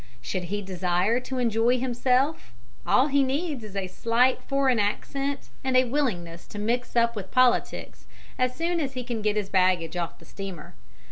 Should he desire to enjoy himself, all he needs is a slight foreign accent and a willingness to mix up with politics as soon as he can get his baggage off the steamer.